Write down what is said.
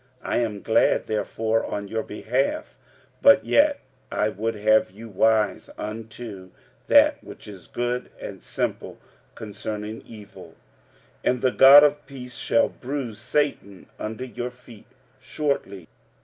I am glad therefore on your behalf: but yet I would have you wise unto that which is good, and simple concerning evil. 45:016:020 And the God of peace shall bruise Satan under your feet shortly.